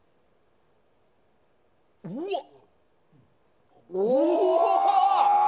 うわっ！